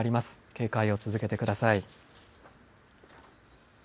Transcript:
警戒を続けてください。